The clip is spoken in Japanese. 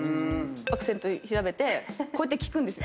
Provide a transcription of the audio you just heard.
アクセント調べてこうやって聞くんですよ。